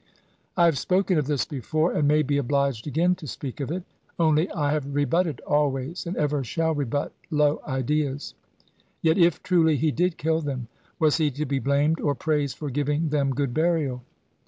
I have spoken of this before, and may be obliged again to speak of it; only I have rebutted always, and ever shall rebut, low ideas. Yet if truly he did kill them, was he to be blamed or praised, for giving them good burial?